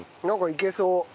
いけそう。